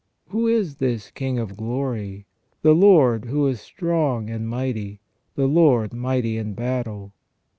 " Who is this King of Glory ? "The Lord who is strong and mighty, the Lord mighty in battle.